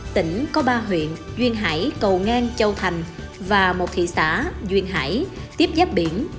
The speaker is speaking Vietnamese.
tỉnh có ba huyện duyên hải cầu ngang châu thành và một thị xã duyên hải tiếp giáp biển